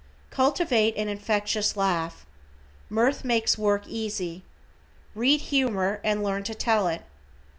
Cultivate an infectious laugh. Mirth makes work easy. Read humor and learn to tell it.